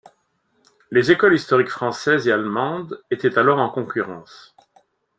Les écoles historiques françaises et allemandes étaient alors en concurrence.